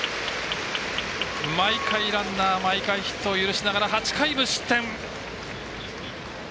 毎回ランナー毎回ヒットを許しながら８回無失点。